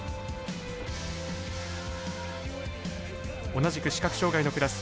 同じく視覚障がいのクラス